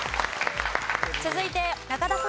続いて中田さん。